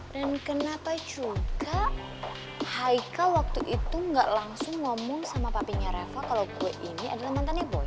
dan kenapa juga haika waktu itu gak langsung ngomong sama papinya reva kalau gue ini adalah mantanik boy